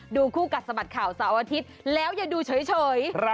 คู่กัดสะบัดข่าวเสาร์อาทิตย์แล้วอย่าดูเฉย